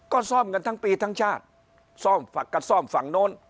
ก็ซ่อมกันทั้งปีทั้งชาติซ่อมฝักกับซ่อมฝั่งโน้น